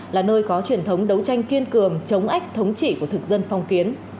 là nơi có truyền thống đấu tranh kiên cường chống ách thống trị của thực dân phong kiến